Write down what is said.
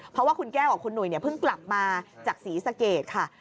เพราะว่าคุณแก้วกับคุณหนุ่ยเพิ่งกลับมาจากศรีสะเกดค่ะ